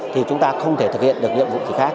thì chúng ta không thể thực hiện được nhiệm vụ gì khác